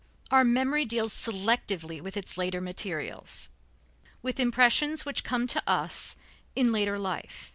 Our memory deals selectively with its later materials, with impressions which come to us in later life.